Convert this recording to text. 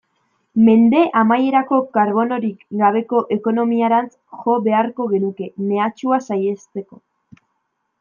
Mende amaierarako karbonorik gabeko ekonomiarantz jo beharko genuke, mehatxua saihesteko.